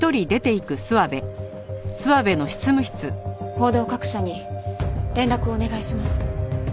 報道各社に連絡をお願いします。